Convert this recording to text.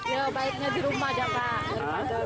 ya baiknya di rumah aja pak